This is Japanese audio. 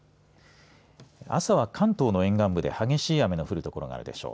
朝は関東の沿岸部で激しい雨の降る所があるでしょう。